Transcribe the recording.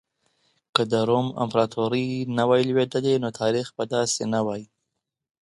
که د روم امپراطورۍ نه وای لوېدلې نو تاريخ به داسې نه وای.